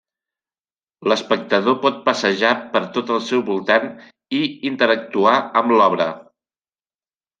L'espectador pot passejar per tot el seu voltant i interactuar amb l'obra.